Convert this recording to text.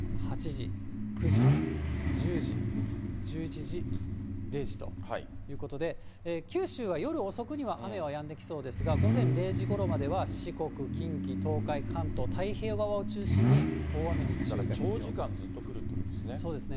６時、７時、８時、９時、１０時、１１時、０時ということで、九州は夜遅くには雨はやんできそうですが、午前０時ごろまでは四国、近畿、東海、関東、太平洋側を中心に大雨に注意が必要です。